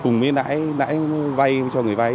nãi vay cho người vay